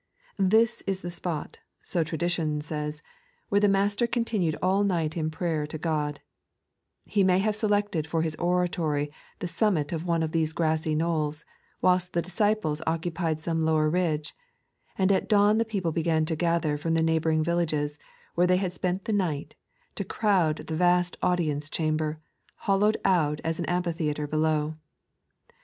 This is the spot, so tradition says, 3.a.t,zsd by Google The CeoosmG op the Twelve. ll where the Master coatinued all night in prayer to God, He may have selected for His oratory the summit of one of thoee graasy knolle, whilst the disciples occupied some lower ridge ; and at dawn the people began to gather from the neighbouring villages, where they had Rpent the night, to crowd the vast audience chamber, hollowed out as an amphitheatre below.